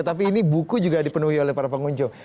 tapi ini buku juga dipenuhi oleh para pengunjung